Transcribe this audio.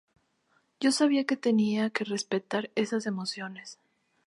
Yo sabía que tenía que respetar esas emociones.